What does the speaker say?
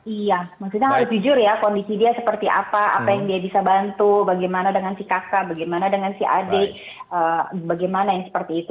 iya maksudnya harus jujur ya kondisi dia seperti apa apa yang dia bisa bantu bagaimana dengan si kakak bagaimana dengan si adik bagaimana yang seperti itu